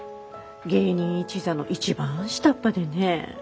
芸人一座の一番下っ端でね。